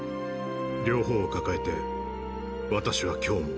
両方を抱えて私は今日も